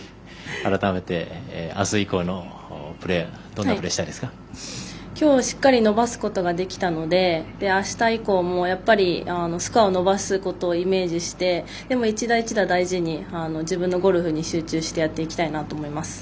改めてあす以降のプレーきょうしっかり伸ばすことができたのであした以降もやっぱりスコアを伸ばすことをイメージしてでも１打１打大事に自分のゴルフに集中してやっていきたいなと思います。